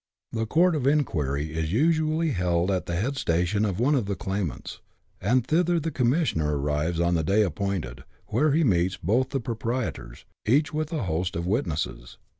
The court of inquiry is usually held at the head station of one 92 BUSH LIFE IN AUSTRALIA. [chap. viii. of the claimants, and thither the commissioner arrives on the day appointed, where he meets both the proprietors, each with a host of witnesses.